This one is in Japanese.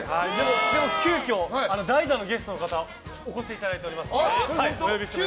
でも、急きょ代打のゲストの方にお越しいただいております。